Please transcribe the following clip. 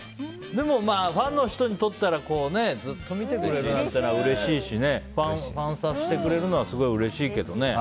でも、ファンの人にとったらずっと見てくれるなんていうのはうれしいしねファンサしてくれるのはすごいうれしいけどね。